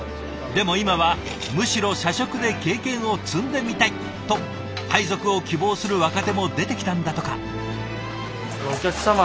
でも今はむしろ社食で経験を積んでみたいと配属を希望する若手も出てきたんだとか。